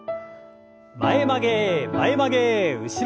前曲げ前曲げ後ろ反り。